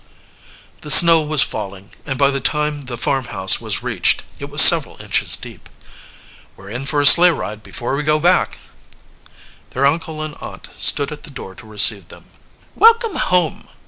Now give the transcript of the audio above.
The snow was falling, and by the time the farmhouse was reached it was several inches deep. "We're in for a sleigh ride before we go back," said Sam. Their uncle and aunt stood at the door to receive them. "Welcome home!